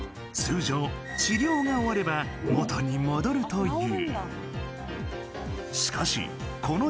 通常治療が終われば元に戻るという